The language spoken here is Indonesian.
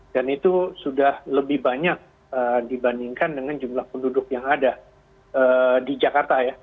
dan itu sudah lebih banyak dibandingkan dengan jumlah penduduk yang ada di jakarta ya